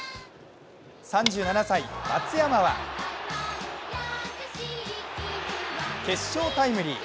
３７歳・松山は決勝タイムリー。